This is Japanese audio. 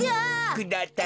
ください。